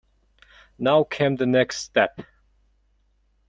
Now came the next step.